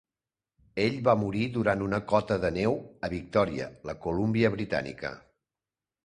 Ell va morir durant una cota de neu a Victòria, la Columbia Britànica .